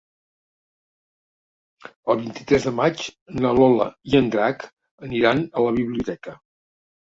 El vint-i-tres de maig na Lola i en Drac aniran a la biblioteca.